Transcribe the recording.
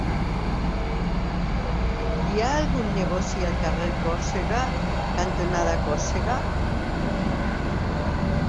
Hi ha algun negoci al carrer Còrsega cantonada Còrsega?